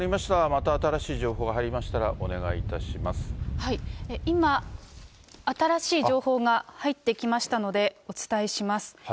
また新しい情報が入りましたら、今、新しい情報が入ってきましたので、お伝えします。